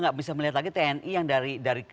nggak bisa melihat lagi tni yang dari